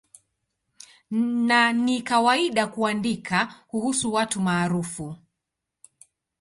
Na ni kawaida kuandika kuhusu watu maarufu.